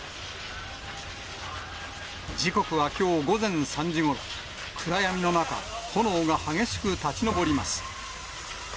時刻はきょう午前３時ごろ、暗闇の中、炎が激しく立ち上ります。